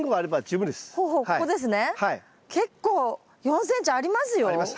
結構４ｃｍありますよ。あります。